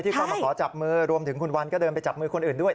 เข้ามาขอจับมือรวมถึงคุณวันก็เดินไปจับมือคนอื่นด้วย